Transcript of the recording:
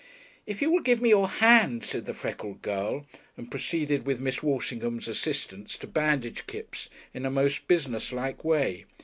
"If you will give me your hand," said the freckled girl, and proceeded with Miss Walshingham's assistance to bandage Kipps in a most businesslike way.